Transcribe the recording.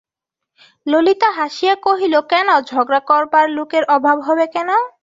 ললিতা হাসিয়া কহিল, কেন, ঝগড়া করবার লোকের অভাব হবে কেন?